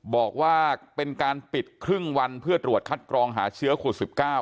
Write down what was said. บอกว่าเป็นการปิดครึ่งวันเพื่อตรวจคัดกรองหาเชื้อโควิด๑๙